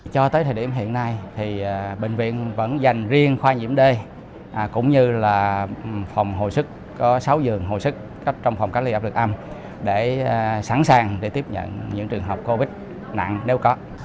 cho tới thời điểm hiện nay thì bệnh viện vẫn dành riêng khoa nhiễm d cũng như là phòng hồi sức có sáu giường hồi sức trong phòng cách ly áp lực âm để sẵn sàng để tiếp nhận những trường hợp covid nặng nếu có